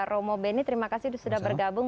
romo beni terima kasih sudah bergabung